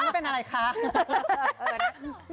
เป็นซักคน